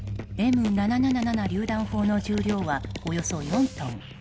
Ｍ７７７りゅう弾砲の重量はおよそ４トン。